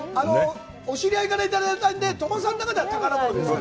お知り合いからいただいたんで、鳥羽さんの中では宝物ですよ。